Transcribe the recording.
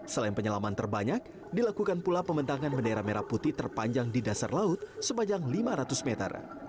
selain penyelaman terbanyak dilakukan pula pembentangan bendera merah putih terpanjang di dasar laut sepanjang lima ratus meter